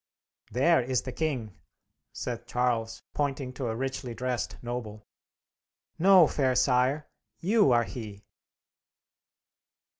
"There is the king," said Charles, pointing to a richly dressed noble. "No, fair sire. You are he!"